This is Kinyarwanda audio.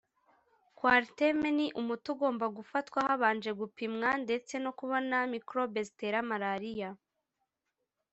coartem ni umuti ugomba gufatwa habanje gupimwa ndetse no kubona mikorobe zitera malariya